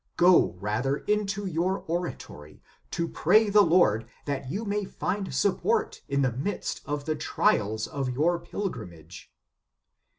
Go rather into your oratory, to pray the Lord that you may find support in the midst of the trials of your pilgrimage."